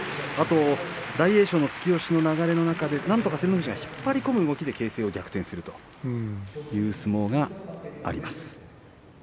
あと大栄翔の突き押しの流れの中でなんとか照ノ富士が引っ張り込む動きで形勢を逆転するという相撲があります。